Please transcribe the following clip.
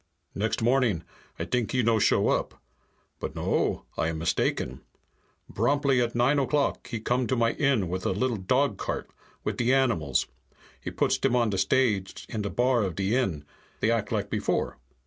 "Next morning, I t'ink he no show up. But no, I am mistaken. Bromptly at nine o'clock he come to my inn with a little dogcart, wit' de animals. He puts dem on de stage in de bar of de inn. They act like before."